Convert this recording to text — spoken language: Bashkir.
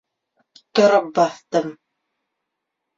Тороп баҫтым.